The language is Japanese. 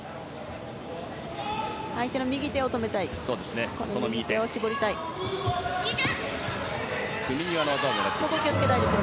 相手の右手を止めたいです。